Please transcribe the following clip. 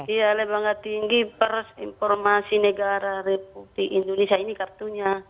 iya lembaga tinggi persinformasi negara republik indonesia ini kartunya